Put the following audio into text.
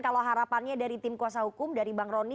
kalau harapannya dari tim kuasa hukum dari bang roni